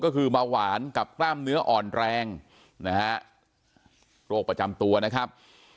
ก็คือเบาหวานกับกล้ามเนื้ออ่อนแรงนะฮะโรคประจำตัวนะครับ